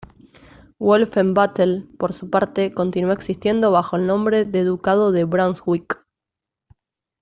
Wolfenbüttel, por su parte, continuó existiendo bajo el nombre de Ducado de Brunswick.